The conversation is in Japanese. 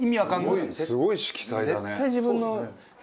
すごい色彩だね。